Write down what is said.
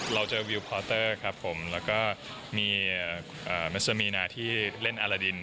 เราเจอวิวพอเตอร์ครับผมแล้วก็มีเมษมีนาที่เล่นอารดิน